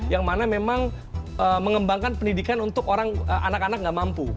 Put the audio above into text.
yang mana memang mengembangkan pendidikan untuk anak anak yang gak mampu